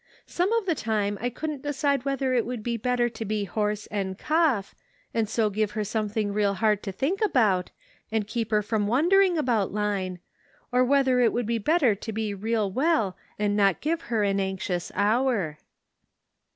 Some of the time I couldn't decide whether it would be better to be hoarse and cough, and so give her something real hard to think about, and keep her from wondering about Line, or whether it would be better to be real well and not give her aa anxious hour."